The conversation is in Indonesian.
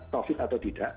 covid atau tidak